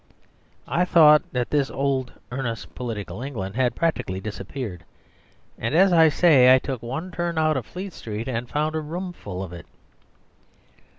I thought that this old earnest political England had practically disappeared. And as I say, I took one turn out of Fleet Street and I found a room full of it.